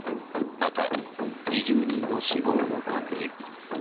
また、２０人の死亡も確認。